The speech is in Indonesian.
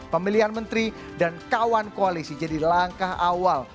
pemilihan menteri dan kawan koalisi jadi langkah awal